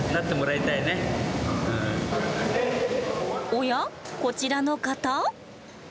おやこちらの方？